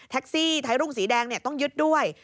ซี่ไทยรุ่งสีแดงต้องยึดด้วย